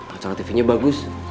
acara tv nya bagus